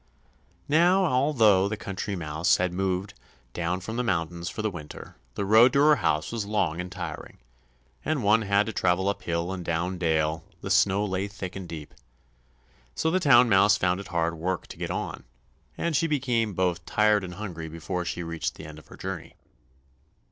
Now, although the Country Mouse had moved down from the mountains for the winter, the road to her house was long and tiring, and one had to travel up hill and down dale; the snow lay thick and deep, so the Town Mouse found it hard work to get on, and she became both tired and hungry before she reached the end of her journey.